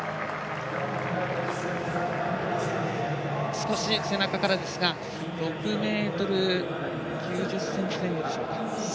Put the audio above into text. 少し背中からですが６ｍ９０ｃｍ前後でしょうか。